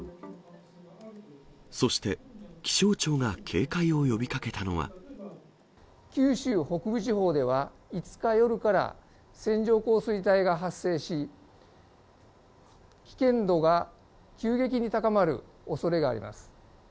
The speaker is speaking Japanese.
そして、九州北部地方では、５日夜から線状降水帯が発生し、危険度が急激に高まるおそれがあります。